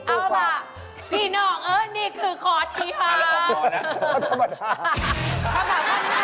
เอาล่ะพี่น้องเอิ้นนี่คือขอทีภาพ